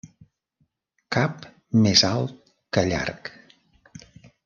Cap més alt que llarg.